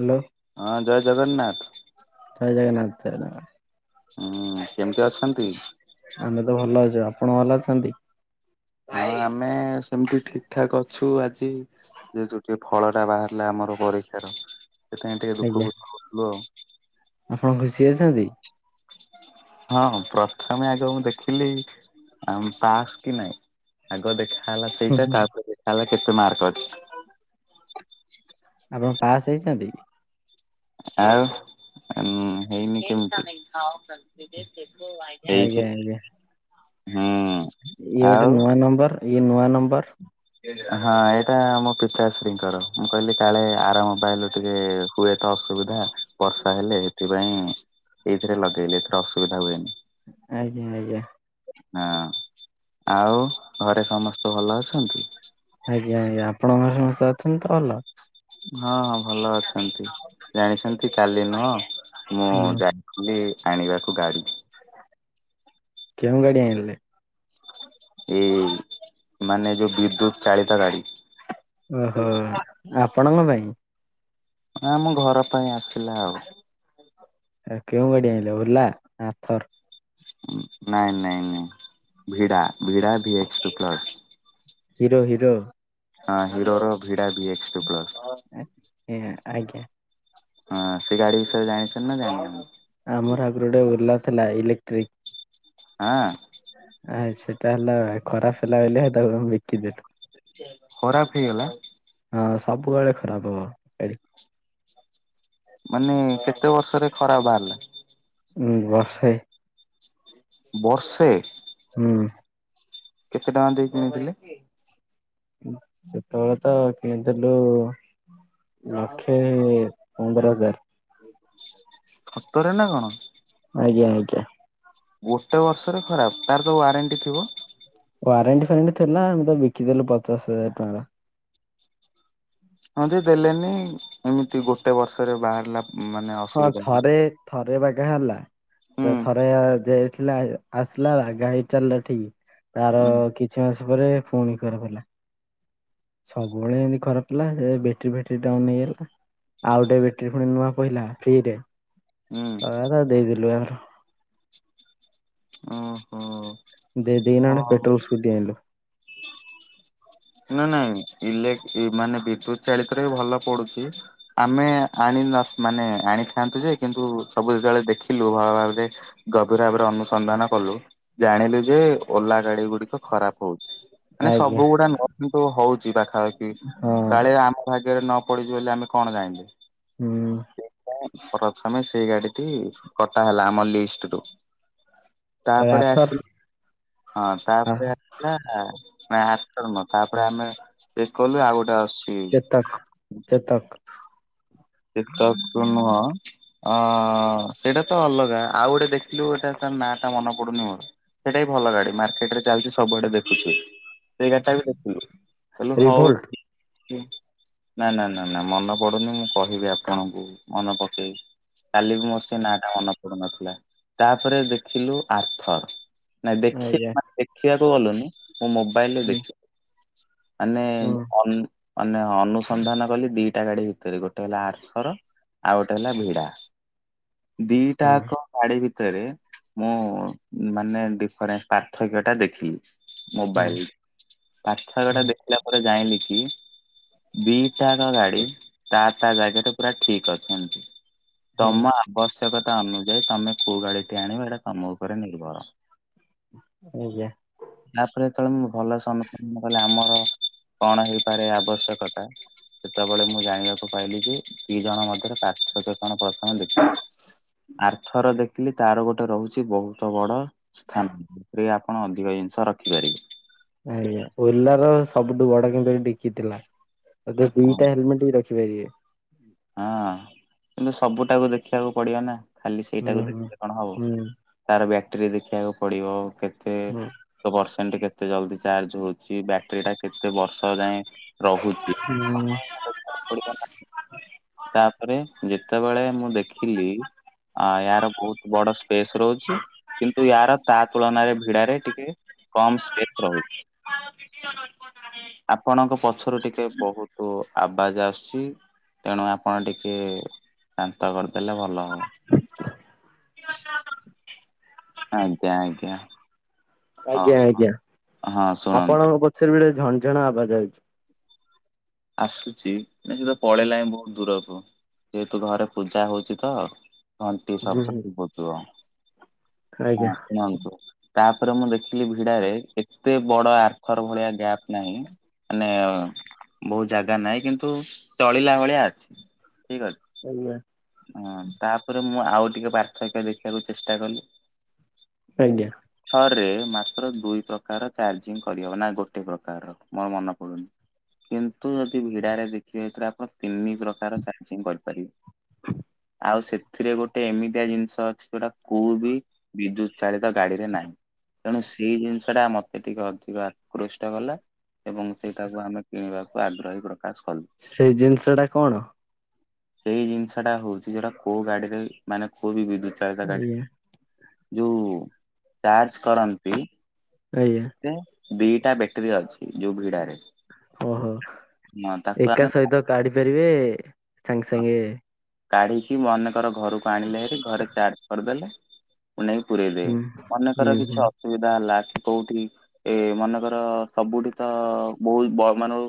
Hello. ହଁ ଜୟ ଜଗନ୍ନାଥ। ଜୟ ଜଗନ୍ନାଥ। ଜୟ ଜଗନ୍ନାଥ। ହୁଁ, କେମିତି ଅଛନ୍ତି? ଆମେ ତ ଭଲ ଅଛୁ, ଆପଣ ଭଲ ଅଛନ୍ତି? ହଁ ଆମେ ସେମିତି ଠିକ୍ ଠାକ୍ ଅଛୁ ଆଜି। ଯେହେତୁ ଟିକେ ଫଳ ଟା ବାହାରିଲା ଆମର ପରୀକ୍ଷାର ସେଥିପାଇଁ ଟିକେ ଆଜ୍ଞା ଦୁଃଖ କରୁଥିଲୁ ଆଉ। ଆପଣ ଖୁସି ଅଛନ୍ତି? [inaudible] ହଁ ପ୍ରଥମେ ଆଗ ମୁଁ ଦେଖିଲି ଆ ପାସ୍ କି ନାଇଁ। ଆଗ ଦେଖା ହେଲା ହୁଁ ସେଇଟା ହୁଁ ତାପରେ ଦେଖା ହେଲା କେତେ ମାର୍କ ଅଛି। ଆପଣ ପାସ୍ ହେଇଛନ୍ତି? ଆଉ ହେଇନି କେମିତି [unintelligible] ଆଜ୍ଞା ହେଇଛି ଆଜ୍ଞା, ହୁଁ ଇଏ ଗୋଟେ ଆଉ ନୂଆ ନମ୍ବର ଇଏ ନୂଆ ନମ୍ବର ହଁ ଏଇଟା ମୋ ପିତାଶ୍ରୀଙ୍କର ମୁଁ କହିଲି କାଳେ ଆରାମ ପାଇଲୁ ଟିକେ ହୁଏତ ଅସୁବିଧା ବର୍ଷା ହେଲେ ଏଥିପାଇଁ ଏଇଥିରେ ଲଗେଇଲେ କିଛି ଅସୁବିଧା ହୁଏନି। ଆଜ୍ଞା! ଆଜ୍ଞା! ହଁ, ଆଉ ଘରେ ସମସ୍ତେ ଭଲ ଅଛନ୍ତି? ଆଜ୍ଞା, ଆଜ୍ଞା, ଆପଣଙ୍କ ଘର ସମସ୍ତେ ଅଛନ୍ତି ତ ଭଲ? ହଁ ହଁ ଭଲ ଅଛନ୍ତି। ଜାଣିଛନ୍ତି କାଲି ନୁହଁ ମୁଁ ହୁଁ ଯା [unintelligible] ଆଣିବାକୁ ଗାଡି। କେଉଁ ଗାଡି ଆଣିଲେ? ଏଇ ମାନେ ଯୋଉ ବିଦ୍ୟୁତ୍ ଚାଳିତ ଗାଡି। ଓହୋ, ଆପଣଙ୍କ ପାଇଁ? ଆଁ ଆମ ଘର ପାଇଁ ଆସିଲା ଆଉ। ଆ କେଉଁ ଗାଡ଼ି ଆଇଁଲେ ଓଲା ନାଁ ଥର? ନାଇଁ ନାଇଁ ନାଇଁ ଭିଡା ଭିଡା V H two plus. Hero hero. ହଁ ହିରୋର ଭିଡା ଭି ଏକ୍ସ ଟୁ ପ୍ଲସ। ଏ ଏଁ ଆଜ୍ଞା। ହଁ ସେ ଗାଡ଼ି ବିଷୟରେ ଜାଣିଛନ୍ତି ନାଁ ଜାଣିନାହାଁ ଆମର ଆଗୁରୁ ଗୋଟେ ଓଲା ଥିଲା ଇଲେକ୍ଟ୍ରି। ହଁ? ଆ ସେଟା ହେଲା ଖରାପ ହେଲା ବୋଲିଆ ହେଟାକୁ ଆମେ ବିକିଦେଲୁ। ଖରାପ ହେଇଗଲା? ହଁ ସବୁବେଳେ ଖରାପ ହବ। ଗାଡି ମାନେ କେତେ ବର୍ଷରେ ଖରାପ ବାହାରିଲା? ଉଁ ବର୍ଷେ। ବର୍ଷେ? ହୁଁ। କେତେ ଟଙ୍କା ଦେଇ କିଣିଥିଲେ? ସେତୋଳେ ତ କିଣିଥିଲୁ ଲକ୍ଷେ ପନ୍ଦର ହଜାର। ସତରେ ନା କଣ? ଆଜ୍ଞା ଆଜ୍ଞା। ଗୋଟେ ବର୍ଷରେ ଖରାପ ତାର ତ ୱାରେଣ୍ଟି ଥିବ? ୱାରେଣ୍ଟି ଫାରେଣ୍ଟି ଥିଲା ଆମେ ତ ବିକିଦେଲୁ ପଚାଶ ହଜାର ଟଆଁର। ହଁ ଯେ ଦେଲେନି ଏମିତି ଗୋଟେ ବର୍ଷରେ ବାହାରିଲା। ମାନେ ହଁ ଅସୁବିଧା ବୋଲି ଥରେ ଥରେ ବାଗା ହେଲା ହୁଁ ସେ ଥରେ ଦେଇଥିଲା। ଆସଲା ବାଗାହେଇ ଚାଲିଲା ଠିକ୍ ତାର ହୁଁ କିଛି ମାସ ପରେ ଫୁଣି ଖରାପ୍ ହେଲା। ସବୁବେଳେ ଏନ୍ତି ଖରାପ ଥିଲା ସେ ବେଟରୀ ଫେଟରୀ ଡାଉନ ହେଇଗଲା। ଆଉ ଓଟେ ବେଟରୀ ଫୁଣି ନୂଆ ପଇଲା ଫ୍ରିରେ ଅ ହୁଁ ଆଦା ଦେଇଦଲୁ ଆର। ଓହୋ। ଦେଇ ଦେଇକିନା ଅଟେ ହଁ। ପେଟ୍ରୋଲ ସ୍କୁଟି ଆଣିଲୁ। ନାଁ ନାଁ ଇଲେ ଇଲେକ୍ଟ୍ରି ମାନେ ବିଦ୍ୟୁତ ଚାଳିତରେ ବି ଭଲ ପଡ଼ୁଚି ଆମେ ଆଣି ନ ମାନେ ଆଣିଥାନ୍ତୁ ଯେ କିନ୍ତୁ ସବୁ ଯେତଳେ ଦେଖିଲୁ ଭଲ ଭାବରେ ଗଭୀର ଭାବରେ ଅନୁ ସନ୍ଧାନ କଲୁ ଜାଣିଲୁ ଯେ ଓଲା ଗାଡ଼ି ଗୁଡିକ ଖରାପ ହଉଛି। ଆନେ ଆଜ୍ଞା ସବୁ ଗୁଡ଼ା ନୁହଁ କିନ୍ତୁ ହଉଚି ପାଖାପାଖି ହଁ କାଳେ ଆମ ଭାଗ୍ୟରେ ନ ପଡ଼ିଚି ବୋଲି ଆମେ କଣ ଜାଇଁଲେ? ହୁଁ। ପ୍ରଥମେ ସେଇ ଗାଡ଼ିଟି କଟା ହେଲା ଆମ ଲିଷ୍ଟରୁ। ତାପରେ ଆସି ହଁ ଆ ତାପରେ ଆସିଲା ମାଆଥମ। ତାପରେ ଆମେ ତେ କଲୁ ଆଉ ଗୋଟେ ଆସୁଚି। ତ ଚେତକ୍। ଚେତକ ନୁହଁ। ଅ ସେଇଟା ତ ଅଲଗା ଆଉ ଗୋଟେ ଦେଖିଲୁ ଏଟା ତାର ନାଁଟା ମନ ପଡୁନି ମୋର। ସେଇଟା ବି ଭଲ ଗାଡ଼ି ମାର୍କେଟ ରେ ଚାଲିଚି ସବୁଆଡେ ଦେଖୁଚୁ ସେଇ ଗାଡ଼ିଟା ବି ଦେଖିଲୁ। ଏଲ ହଉ ରିଭୋଲ୍ଟ ନାଁ ନାଁ ନାଁ ନାଁ ମନ ପଡୁନି ମୁଁ କ ତେବେ ଆପଣଙ୍କୁ ମନେ ପକେଇ କାଲିବି ମୋ ସେ ନା ଟା ମନେ ପଡୁ ନଥିଲା ତାପରେ ଦେଖିଲୁ ଆର୍ଥର ନାଇଁ ଆଜ୍ଞା। ଦେଖିବା ଦେଖିବାକୁ ଗଲୁନି ମୁଁ ମୋବାଇଲରେ ହୁଁ। ଦେଖ। ମାନେ ହୁଁ ଅନୁ ମାନେ ଅନୁସନ୍ଧାନ କଲି ଦିଟା ଗାଡି ଭିତରେ ଗୋଟେ ଗୋଟେ ହେଲା ଆଥର ଆଉ ଗୋଟେ ହେଲା ଭିଡା ଦିଟା ହୁଁ କ ଶାଢୀ ଭିତରେ ମୁଁ ମାନେ ଡିଫରେ ପାର୍ଥକ୍ୟ ଟା ଦେଖିଲି। ହୁଁ ମୋବାଇଲ ପାଥକ୍ୟ ହୁଁ ଟା ଦେଖିଲା ପରେ ଜାଣିଲି କି ଦିଟାଆଙ୍କ ଗାଡି ତା ତା ଜାଗା ଟା ପୁରା ଠିକ ଅଛନ୍ତି ହୁଁ ତମ ଆବଶ୍ୟକ। ଆବଶ୍ୟକତା ଅନୁଯାୟୀ ତମେ କୋଉ ଗାଡି ଟି ଆଣିବା ଏଇଟା ତମ ଉପରେ ନିର୍ଭର। ଆଜ୍ଞା। ତାପରେ ଯେତେବେଳେ ମୁଁ ଭଲସ ଅନୁପନ କଲି ଆମର କଣ ହେଇପାରେ ଆବଶ୍ୟକତା ସେତେବେଳେ ମୁଁ ଜାଣିବାକୁ ପାଇହଲିି ଯେ ଦି ଜଣ ମଧ୍ୟରେ ପାର୍ଥକ କଣ ପ୍ରଥମ ଦେଖିବି ଆରଥର ଦେଖିଲି ତାର ଗୋଟେ ରହୁଛି ବହୁତ ବଡ ସ୍ଥାନଥିରେ ଆପଣ ଅଧିକ ଜିନିଷ ରଖିପାରିବେ। ଆଜ୍ଞା ଓଲାର ସବୁଠୁ ବଡ କିନ୍ତୁ ଡିକିଥିଲା ଓ, ଦିଟା ହେଲମେଟ ବି ରଖ କି ପାରିଵେ। ହଁ କିନ୍ତୁ ସବୁ ଟାକୁ ଦେଖିବାକୁ ପଡିବ ନା ଖାଲି ହୁଁ ସେଇଟାକୁ ହୁଁ ଦେଖିଲେ କଣ ହବ। ହୁଁ ତାର ବ୍ୟାଟେରୀ ଦେଖିବାକୁ ପଡିବ କେତେ? ହୁଁ ଏକ ପରସେଣ୍ଟ କେତେ ଜଲ୍ଦି ଚାର୍ଜ ହଉଛି ବ୍ୟାଟେରୀ ଟା କେତେ ବର୍ଷ ଯାଏ ରହୁଛି ହୁଁ। ସମୟ ଟା ଦେଖିବାକୁ ପଡିବନା। ତାପରେ ଯେତେବେଳେ ମୁଁ ଦେଖିଲି। ଆ ଏହାର ବହୁତ ବଡ ସ୍ପେସ ରହୁଛି। କିନ୍ତୁ ୟାର ତା ତୁଳନାରେ ଭିଡାରେ ଟିକେ କମ ସ୍ପେସ ରହୁଛି। ଆ ଅାରେ [unintelligible] ଆପଣଙ୍କ ପଛରୁ ଟିକେ ବହୁତ ଆବାଜ ଆସୁଛି। ତେଣୁ ଆପଣ ଟିକେ ଶାନ୍ତ କରିଦେଲେ ଭଲ ହବ। ଆଜ୍ଞା ଆଜ୍ଞା। ଆଜ୍ଞା ହଉ ଆଜ୍ଞା ହଁ ଶୁଣନ୍ତୁ ଆପଣଙ୍କ ପଛରେ ଗୋଟେ ଝଣଝଣ ଅବାଜ୍ ଆଉଛି। ଆସୁଛି ମ ସେ ତ ପଳେଇଲାଣି ବହୁତ ଦୂରକୁ ଯେହେତୁ ଘରେ ପୂଜା ହଉଛି ତ। ଘଣ୍ଟି ହୁଁ ଶଦ୍ଧ ହୁଁ ସୁବୁଥିବ ହଁ ଆଜ୍ଞା କୁହନ୍ତୁ। ତାପରେ ମୁଁ ଦେଖିଲି ଭିଡାରେ ଏତେ ବଡ ଆଥର ଭଳିଆ ଗ୍ୟାପ୍ ନାଇଁ ମାନେ ବହୁ ଜାଗା ନାହିଁ କିନ୍ତୁ ତଳିଲା ଭଳିଆ ଅଛି ଠିକ ଅଛି। ଆଜ୍ଞା। ହଁ ତାପରେ ମୁଁ ଆଉ ଟିକେ ପାର୍ଥକ୍ୟ ଦେଖିବାକୁ ଚେଷ୍ଟା କଲି। ଆଜ୍ଞା। ଥରରେ ମାତ୍ର ଦୁଇ ପ୍ରକାର ଚାର୍ଜିଂ କରିହବ ନା ଗୋଟେ ପ୍ରକାରର ମୋର ମନେ ପଡୁନି। କିନ୍ତୁ ଯଦି ଭିଡାରେ ଦେଖିବେ ଏଥିରେ ଆପଣ ତିନି ପ୍ରକାର ଚାର୍ଜିଂ କରିପାରିବେ। ଆଉ ସେଥିରେ ଗୋଟେ ଏମିତିଆ ଜିନିଷ ଅଛି ଯୋଉଟା କୋଉ ବିଦ୍ୟୁତ୍ ଚାଳିତ ଗାଡିରେ ନାହିଁ। ତେଣୁ ସେଇ ଜିନିଷ ଟା ମତେ ଟିକେ ଅଧିକ ଆକୃଷ୍ଟ କଲା। ଏବଂ ସେଇଟାକୁ ଆମେ କିଣିବାକୁ ଆଗ୍ରହୀ ପ୍ରକାଶ କଲୁ। ସେଇ ଜିନିଷ ଟା କଣ? ସେଇ ଜିନିଷ ଟା ହଉଛି ଯୋଉଟା କୋଉ ଗାଡିରେ ମାନେ କୋଉ ବି ବିଦ୍ୟୁତ ଆଜ୍ଞା [inaudible] ଯୋଉ ଚାର୍ଜ କରନ୍ତି। କାଇ। ଦେ ଦିଟା ବ୍ୟାଟେରୀ ଅଛି ଯୋଉ ଭିଡାରେ। ଓହୋ ହଁ ତାକୁ ଏକା ଆମେ ସହିତ କାଢି ପାରିବେ ସାଙ୍ଗେ ସାଙ୍ଗେ। କାଢିକି ମନେକର ଘରକୁ ଆଣିଲେ ହେରି ଘରେ ଚାର୍ଜ କରିଦେଲେ। କୁ ନେଇ ପୁରଇଦେବେ ହୁଁ ହୁଁ ମନେକର ହୁଁ କିଛି ଅସୁବିଧା ହେଲା କି କୋଉଠି? ଏ ମନେକର ସବୁଠି ତ ବହୁତ୍ ବ ମାନ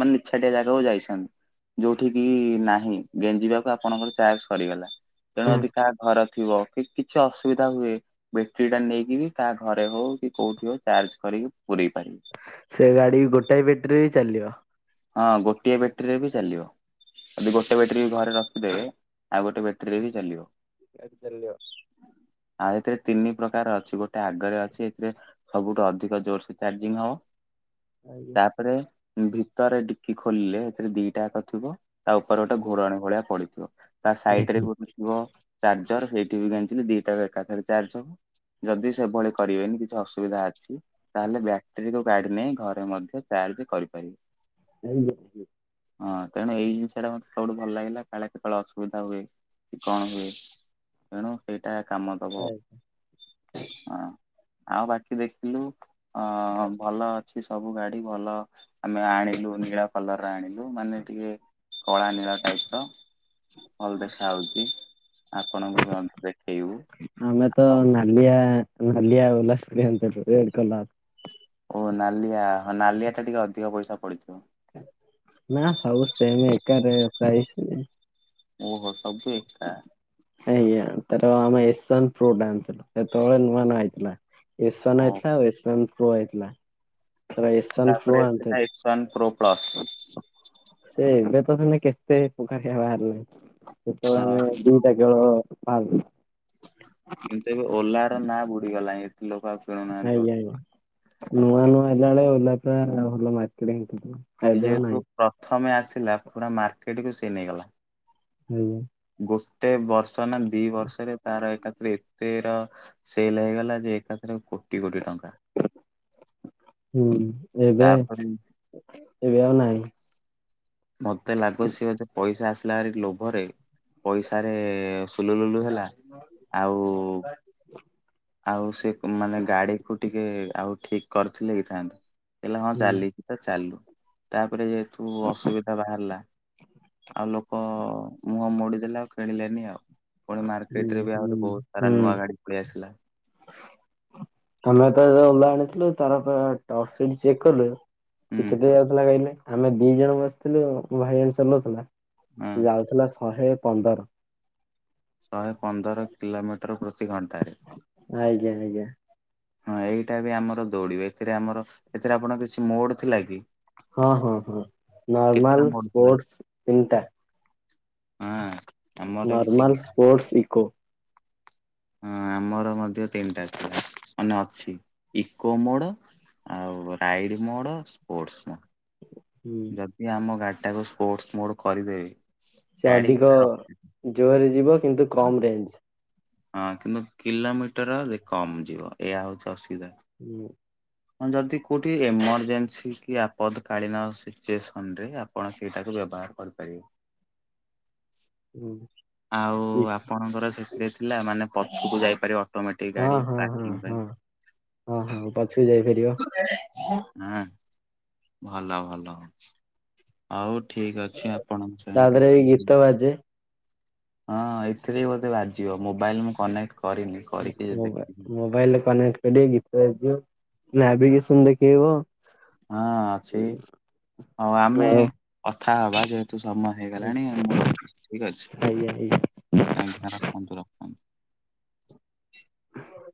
ମାନେ ନିଛାଟିଆ ଜାଗାକୁ ଯାଇଛନ୍ତି ଯୋଉଠି କିି ନାହିଁ? ଗେଞ୍ଜିବାକୁ ଆପଣଙ୍କର ଚାର୍ଜ ସରିଗଲା ତେଣୁ ହୁଁ ଯଦି କାହା ଘର ଥିବ କି କିଛି ଅସୁବିଧା ହୁଏ? ବେଟରୀ ଟା ନେଇକିରି କାହା ଘରେ ହଉ କି କୋଉଠି ହଉ ଚାର୍ଜ କରିକି ପୁରେଇବା। ସେ ଗାଡି ଗୋଟାଏ ବେଟ୍ରି ରେ ବି ଚାଲିବ। ହଁ ଗୋଟିଏ ବେଟ୍ରୀରେ ବି ଚାଲିବ। ଯ ଗୋଟେ ବ୍ୟାଟେରୀ ଘରେ ରଖିଦେବେ ଆଉ ଗୋଟେ ବ୍ୟାଟେରୀରେ ବି ଚାଲିବ। ଗାଡ଼ି ଚାଲିବ। ଆଉ ଏଥିରେ ତିନି ପ୍ରକାର ଅଛି ଗୋଟେ ଆଗରେ ଅଛି ଏଥିରେ ସବୁଠୁ ଅଧିକ ଜୋରସେ ଚାର୍ଜିଂ ହବ। ଆଜ୍ଞା। ତାପରେ ଭିତରେ ଡିକି ଖୋଲିଲେ ଏଥିରେ ଦିଟା ଆକ ଥିବ। ତା ଉପରେ ଗୋଟେ ହୁଁ ଘୋଡ଼ଣି ଭଳିଆ ପଡିଥିବ ତା ସାଇଡ ରେ ହୁଁ ଗୋ ଗୋ ଚାର୍ଜର ସେଇଠି ବି ଗେଞ୍ଜିଲେ ଦିଟା ଏକାଥରେ ଚାର୍ଜ ହବ। ଯଦି ସେଭଳି କରିବେନି କିଛି ଅସୁବିଧା ଅଛି। ତାହେଲେ ବ୍ୟାଟେରୀକୁ ଗାଡି ନେଇ ଘରେ ମଧ୍ୟ ଚାର୍ଜ କରିପାରିବେ। ଏଇବେ। ହଁ ତଣୁ ଏଇ ଜିନିଷ ଟା ମତେ ସବଠୁ ଭଲ ଲାଗିଲା କାଳେ କେତେବେଳେ ଅସୁବିଧା ହୁଏ। କଣ ହୁଏ ତେଣୁ ସେଇଟା କାମ ଦବ ହଁ। ଆଉ ବାକି ଦେଖିଲୁ ଅ ଭଲ ଅଛି ସବୁ ଗାଡି ଭଲ। ଆମେ ଆଣିଲୁ ନୀଳ କଲର ଆଣିଲୁ ମାନେ ଟିକେ କଳା ନୀଳ ଟାଇପ୍ ର। ଭଲ ଦେଖା ହଉଛି ଆପଣଙ୍କୁ ବି ମଧ୍ୟ ଦେଖେଇବୁ। ଆମେ ତ ନାଲିଆ ନାଲିଆ ଓଲା ସ୍କୁଟି ଆଣିଥିଲୁ ରେଡ କଲର। ଓ ନାଲିଆ ହଁ ନାଲିଆ ତ ଟିକେ ଅଧିକ ପଇସା ପଡିଥିବ। ନା ସବୁ ସେମ୍ ଏକା ରେଟ୍ ଟା ହେଇଛି। ଓହୋ ସବୁ ଏକା। ଆଜ୍ଞା ତାର ଆମେ ଏସ୍ ୱାନ ପ୍ରୋ ଟା ଆଣିଥିଲୁ ହେତେବେଳେ ନୂଆ ନୂଆ ଆଇଥିଲା। ଏସୱାନ୍ ଓ ଆଇଥିଲା ଆଉ ଏସୱାନ୍ ପ୍ରୋ ଆଇଥିଲା। ତ ଏସ ୱାନ ପ୍ରୋ ତାପରେ ଏଟା ଏକ୍ସୱାନ ପ୍ରୋ ପ୍ଲସ୍ ଆଣିଥିଲୁ। ସେ ଏବେ ତ ମାନେ କେତେ ପ୍ରକାରିଆ ବାହାରି ଲାଣି ସେତେବେଳେ ଆମେ ଯୋଉ ସେ କେବଳ ପାଉ। ତେବେ ଓଲା ର ନାଁ ବୁଡିଗଲାଣି ଏତେ ଲୋକ ଆଉ। କିଣୁନାହାନ୍ତି ଓଲା ଆଜ୍ଞା ଆଜ୍ଞା ନୂଆ ନୂଆ ଆଇଲା ବେଳେ ଓଲା ପୁରା ଭଲ ମାର୍କେଟିଙ୍ଗ ଥିଲା। ଯେହେତୁ ପ୍ରଥମେ ଆସିଲା ପୁରା ମାର୍କେଟ କୁ ସିଏ ନେଇଗଲା। ହୁଁ। ଗୋଟେ ବର୍ଷ ନା ଦି ବର୍ଷରେ ତାର ଏକାଥରେ। ତେର ସେଲ ହେଇଗଲା ଯେ ଏକାଥରେ ଗୋ କୋଟି କୋଟି ଟଙ୍କା ହୁଁ ଏବେ ତାପରେ ଏବେ ଆଉ ନାହିଁ। ମତେ ଲାଗୁଛି ସିଏ ବୋଧେ ପଇସା ଆସିଲା ଭାରି ଲୋଭରେ ପଇସାରେ ସୁଲୁ ଲୁଲୁ ହେଲା। ଆଉ [inaudible] ଆଉ ସେ ମାନେ ଗାଡିକୁ ଟିକେ ଆଉ ଠିକ୍ କରିଥିଲେ ହେଇଥାନ୍ତା। କହିଲା ହଁ ହୁଁ ଚାଲି ଚାଲୁ। ତା ପରେ ଯେହେତୁ ଅସୁବି ବାହାରିଲା। ଆଉ ଲୋକ ମୁହଁ ମୋଡିଦେଲା ଆଉ କିଣିଲେନି ଆଉ। ପୁଣି ହୁଁ ମାର୍କେଟରେ ବି ଆହୁରି ହୁଁ ବହୁତ ସାରା ହୁଁ। ନୂଆ ଗାଡି ପଳେଇ ଆସିଲା। ଆମେ ତ ଓଲା ଆଣିଥିଲୁ ତାର କଣ ଟପସିନ୍ ଚେକ୍ କଲୁ ସେ ହୁଁ କେବେ ଯାଉଥିଲା କହିଲେ। ଆମେ ଦି ଜଣ ବସିଥିଲୁ, ମୋ ଭାଇ ଜଣେ ଚଲଉଥିଲା। ହଁ। ଯାଉଥିଲା ଶହେ ପନ୍ଦର। ଶହେ ପନ୍ଦର କିଲୋମିଟର ପ୍ରତି ଘଣ୍ଟାରେ। ଆଜ୍ଞା ଆଜ୍ଞା। ହଁ ଏଇଟା ବି ଆମର ଦୌଡିବେ। ଏଥିରେ ଆମର ଏଥିରେ ଆପଣଙ୍କ କିଛି ମୋଡ୍ ଥିଲା କି ହଁ- ହଁ- ହଁ କେତେଟା ନର୍ମାଲ ମୋଡ ଥିଲା ସ୍ପୋର୍ଟ୍ସ ତିନିଟା। ଆଁ। ନିର୍ମାଲ ସ୍ପୋର୍ଟସ୍ ଇକୋ। ହଁ ଆମର ମଧ୍ୟ ତିନିଟା ଥିଲା ମାନେ ଅଛି ଇକୋ ମୋଡ ଆଉ ରାଇଡ ମୋଡ, ସ୍ପୋର୍ଟସ୍ ମୋଡ, ହୁଁ। ଯଦି ଆମ ଗାଡିଟାକୁ ସ୍ପୋର୍ଟସ୍ ମୋଡ କରିଦେବି ସେ ଅଧିକ ଜୋରରେ ଯିବ କିନ୍ତୁ କମ୍ ରେଞ୍ଜ। ହଁ କିନ୍ତୁ କିଲୋମିଟର କମ୍ ଯିବ, ଏୟା ହଉଛି ଅସୁବିଧା। ହୁଁ। ହଁ ଯଦି କୋଉଠି ଏମରଜେନ୍ସି କି ଆପଦ କଳୀନ ସିଚୁଏସନରେ କୌଣସିଟାକୁ ବ୍ୟବହାର କରିପାରିବେ। ହୁଁ ଆଉ ଆପଣଙ୍କର ସେଥିରେ ଥିଲା ମାନେ ପଛକୁ ଯାଇପାରିବ। ଅଟୋମୋଟିକ୍ ହଁ ଗାଡି ହଁ ହଁ ପାର୍କିଂ ପାଇଁ। ହଁ ହଁ ହଁ ପଛକୁ ଯାଇ ପାରିବ। [inaudible] ଭଲ ଭଲ। ଆଉ ଠିକ୍ ଅଛି। ଆପଣଙ୍କ ତା ସାଙ୍ଗରେ ଦେହରେ କଥା ବି ହେଇକି? ଗୀତ ବାଜେ। ହଁ ଏଇ ଏଥିରେ ବି ବୋଧେ ବାଜିବ, ମୋବାଇଲ ମୁଁ କନେକ୍ଟ କରିନି। କରିକି ଦେଖିବି। ମୋ-ମୋବା-ମୋବାଇଲରେ କନେକ୍ଟ କରି ଗୀତ ବାଜିବ ନାଭିଗେସନ୍ ଦେଖେଇବ। ହଁ ଅଛି। ହଁ ଆମେ କଥା ହବା ଯେହେତୁ ସମୟ ଆଜ୍ଞା ହେଇଗଲାଣି ମୁଁ ରଖୁଛି। ଠିକ୍ ଅଛି। ଆଜ୍ଞା ଆଜ୍ଞା। ଆଜ୍ଞା ରଖନ୍ତୁ। ରଖନ୍ତୁ। ହଉ।